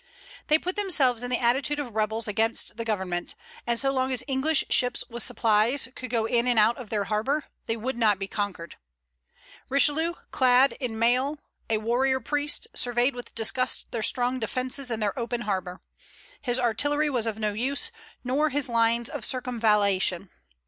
They put themselves in the attitude of rebels against the government; and so long as English ships, with supplies, could go in and out of their harbor, they could not be conquered. Richelieu, clad in mail, a warrior priest, surveyed with disgust their strong defences and their open harbor. His artillery was of no use, nor his lines of circumvallation.